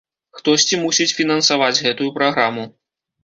Хтосьці мусіць фінансаваць гэтую праграму.